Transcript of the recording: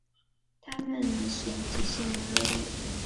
他们随即陷入热恋。